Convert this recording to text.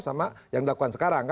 sama yang dilakukan sekarang